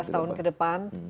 lima belas tahun ke depan